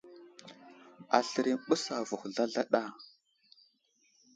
Aslər i məɓəs avuhw zlazlaɗa.